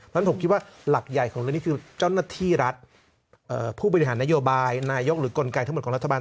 ฉะผมคิดว่าหลักใหญ่ของเรื่องนี้คือเจ้าหน้าที่รัฐผู้บริหารนโยบายนายกหรือกลไกทั้งหมดของรัฐบาล